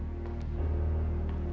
tentang apa yang terjadi